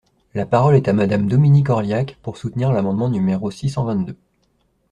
La parole est à Madame Dominique Orliac, pour soutenir l’amendement numéro six cent vingt-deux.